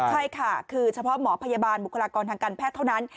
ใช่ค่ะคือเฉพาะหมอพยาบาลบุคลากรทางการแพทย์เท่านั้น